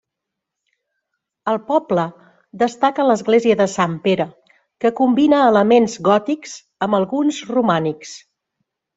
Al poble destaca l'església de Sant Pere que combina elements gòtics amb alguns romànics.